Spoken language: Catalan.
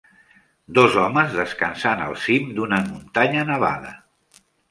Dos homes descansant al cim d'una muntanya nevada.